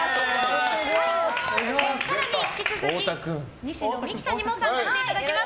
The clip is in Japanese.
更に、引き続き西野未姫さんにも参加していただきます。